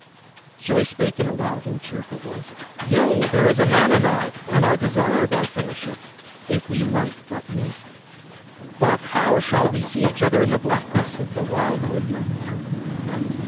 So he spake in a loud and cheerful voice: "Yea, there is a man anigh, and I desire thy fellowship, if we might but meet. But how shall we see each other in the blackness of the wildwood night?"